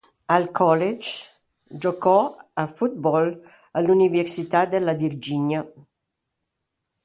Al college giocò a football all'Università della Virginia.